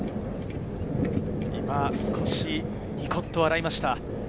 今、少しニコっと笑いました。